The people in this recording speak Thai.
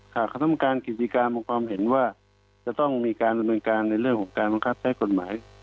คณะกรรมการกิจการมีความเห็นว่าจะต้องมีการดำเนินการในเรื่องของการบังคับใช้กฎหมาย